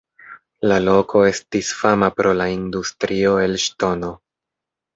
La loko estis fama pro la industrio el ŝtono.